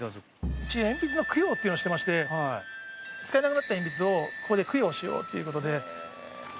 うち鉛筆の供養ってのをやっていて使えなくなった鉛筆をここで供養しようということで。